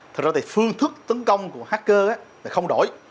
thực ra thì phương thức tấn công của hacker là không đổi